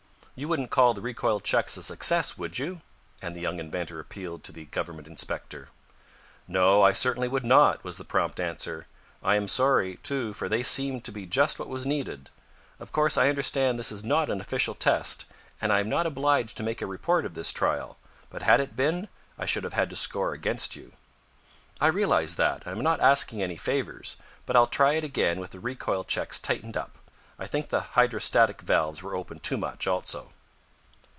You wouldn't call the recoil checks a success, would you?" and the young inventor appealed to the government inspector. "No, I certainly would not," was the prompt answer. "I am sorry, too, for they seemed to be just what was needed. Of course I understand this is not an official test, and I am not obliged to make a report of this trial. But had it been, I should have had to score against you. "I realize that, and I'm not asking any favors, but I'll try it again with the recoil checks tightened up. I think the hydrostatic valves were open too much, also."